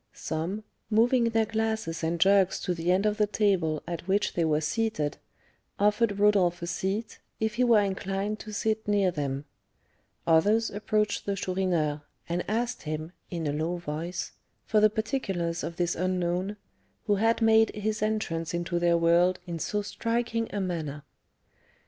Some, moving their glasses and jugs to the end of the table at which they were seated, offered Rodolph a seat, if he were inclined to sit near them; others approached the Chourineur, and asked him, in a low voice, for the particulars of this unknown, who had made his entrance into their world in so striking a manner.